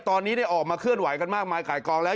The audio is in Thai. ตอนนี้ได้ออกมาเคลื่อนไหวกันมากมายขายกองแล้ว